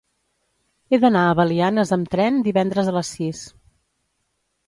He d'anar a Belianes amb tren divendres a les sis.